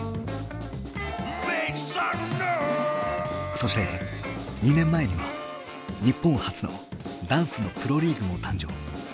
そして２年前には日本初のダンスのプロリーグも誕生。